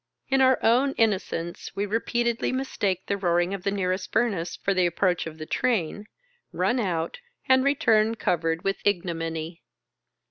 In our own inno cence we repeatedly mistake the roaring of the nearest furnace for the approach of the train, run out, and return covered with igno miny.